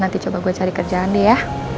nanti coba gue cari kerjaan nih ya